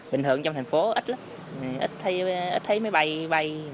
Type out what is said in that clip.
bình thường trong thành phố ít lắm ít thấy máy bay bay